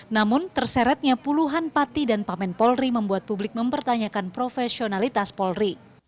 namun terseretnya puluhan pati dan pamen polri membuat publik mempertanyakan profesionalitas polri